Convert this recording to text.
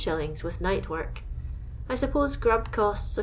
with night work. I suppose grub costs Is.